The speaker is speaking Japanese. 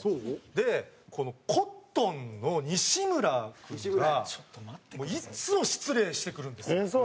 でこのコットンの西村がいつも失礼してくるんですよ。